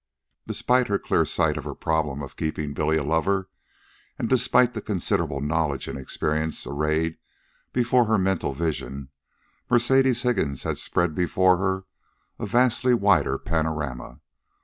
Despite her clear sight of her problem of keeping Billy a lover, and despite the considerable knowledge and experience arrayed before her mental vision, Mercedes Higgins had spread before her a vastly wider panorama.